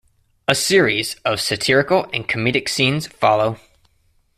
A series of satirical and comedic scenes follow.